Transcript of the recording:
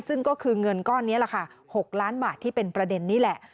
ซึ่งก็คือเงินก้อนนี้แหละค่ะ๖ล้านบาทที่เป็นประเด็นนี้แหละ